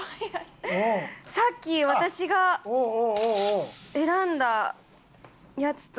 さっき私が選んだやつと。